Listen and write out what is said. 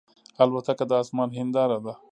الوتکه د آسمان هنداره ده.